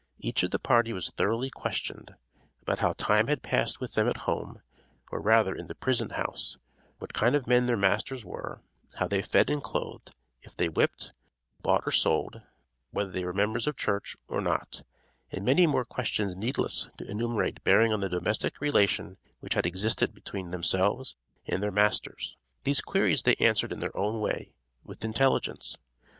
Each of the party was thoroughly questioned, about how time had passed with them at home, or rather in the prison house, what kind of men their masters were, how they fed and clothed, if they whipped, bought or sold, whether they were members of church, or not, and many more questions needless to enumerate bearing on the domestic relation which had existed between themselves and their masters. These queries they answered in their own way, with intelligence.